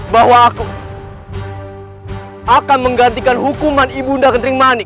bahwa aku akan menggantikan hukuman ibu undang ketering mani